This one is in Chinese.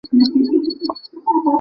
瘰鳞蛇主要进食鱼类。